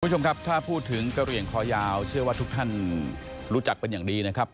คุณผู้ชมครับถ้าพูดถึงกะเหลี่ยงคอยาวเชื่อว่าทุกท่านรู้จักเป็นอย่างดีนะครับ